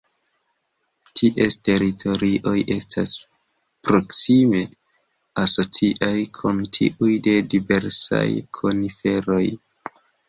Ties teritorioj estas proksime asociaj kun tiuj de diversaj koniferoj.